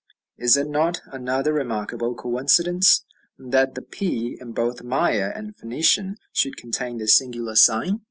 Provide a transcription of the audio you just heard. Is it not another remarkable coincidence that the p, in both Maya and Phoenician, should contain this singular sign?